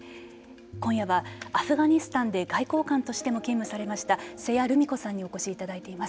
今夜はアフガニスタンで外交官としても勤務されました瀬谷ルミ子さんにお越しいただいています。